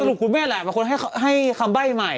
สรุปคุณแม่แหละมีคนให้คำใบ้ใหม่